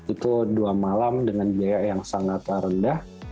itu dua malam dengan biaya yang sangatlah rendah